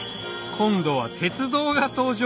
今度は鉄道が登場